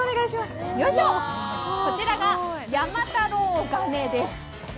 こちらが山太郎ガネです。